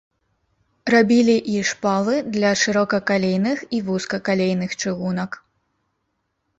Рабілі і шпалы для шырокакалейных і вузкакалейных чыгунак.